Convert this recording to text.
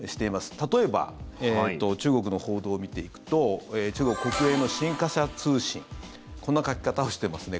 例えば、中国の報道を見ていくと中国国営の新華社通信こんな書き方をしていますね。